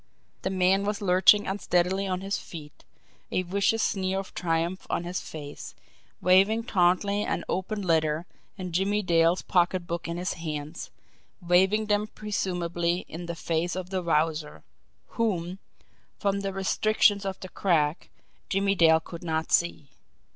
The man was lurching unsteadily on his feet, a vicious sneer of triumph on his face, waving tauntingly an open letter and Jimmie Dale's pocket book in his hands waving them presumably in the face of the Wowzer, whom, from the restrictions of the crack, Jimmie Dale could not see.